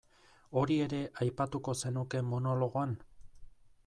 Hori ere aipatuko zenuke monologoan?